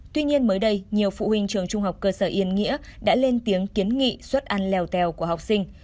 tuy nhiên mới đây nhiều phụ huynh trường trung học cơ sở yên nghĩa đã lên tiếng kiến nghị suất ăn lèo tèo của học sinh